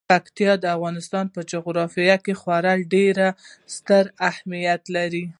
پکتیکا د افغانستان په جغرافیه کې خورا ډیر ستر اهمیت لري.